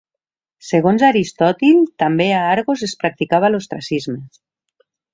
Segons Aristòtil també a Argos es practicava l'ostracisme.